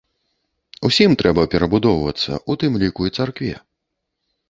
Усім трэба перабудоўвацца, у тым ліку і царкве.